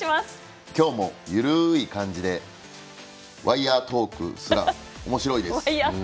今日も緩い感じでワイヤトークすらおもしろいです。